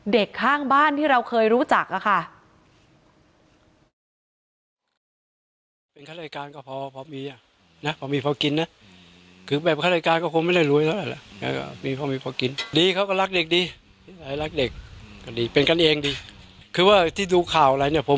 ข้างบ้านที่เราเคยรู้จักค่ะ